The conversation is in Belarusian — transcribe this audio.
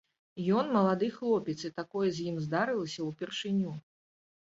Ён малады хлапец, і такое з ім здарылася ўпершыню.